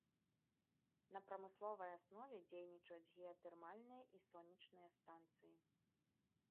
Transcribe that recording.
На прамысловай аснове дзейнічаюць геатэрмальныя і сонечныя станцыі.